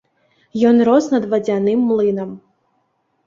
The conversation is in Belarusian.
Ён рос над вадзяным млынам.